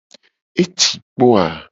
Eci kpo a?